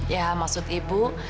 ya maksud ibu